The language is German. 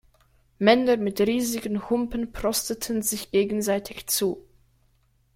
Männer mit riesigen Humpen prosteten sich gegenseitig zu.